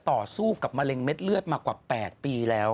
ต่อสู้กับมะเร็ดเลือดมากว่า๘ปีแล้ว